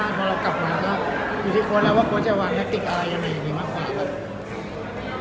อยู่ที่โค้นแล้วว่าโค้นจะวางนักติดอะไรอย่างนี้มากกว่าครับ